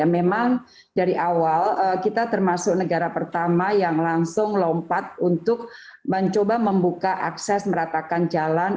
memang dari awal kita termasuk negara pertama yang langsung lompat untuk mencoba membuka akses meratakan jalan